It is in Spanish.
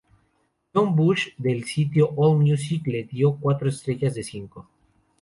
John Bush del sitio Allmusic le dio cuatro estrellas de cinco.